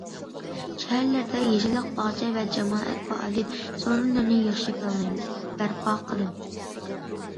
شەھەرلەردە يېشىللىق، باغچە ۋە جامائەت پائالىيەت سورۇنلىرىنى ياخشى پىلانلايمىز، بەرپا قىلىمىز.